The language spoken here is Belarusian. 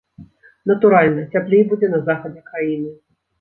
Натуральна, цяплей будзе на захадзе краіны.